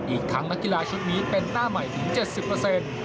อีกครั้งนักกีฬาชุดนี้เป็นหน้าใหม่ถึงเจ็ดสิบเปอร์เซ็นต์